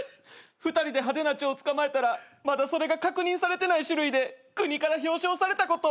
２人で派手なチョウ捕まえたらまだそれが確認されてない種類で国から表彰されたこと。